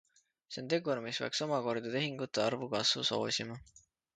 See on tegur, mis peaks omakorda tehingute arvu kasvu soosima.